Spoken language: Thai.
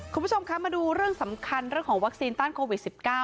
คุณผู้ชมคะมาดูเรื่องสำคัญเรื่องของวัคซีนต้านโควิด๑๙